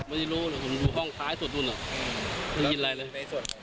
อะไรเล่นรอดออกมาไหมไม่มีไม่มีไม่ได้ยินเลยอืม